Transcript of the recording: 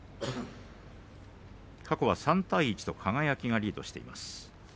過去は３対１と輝がリードしています。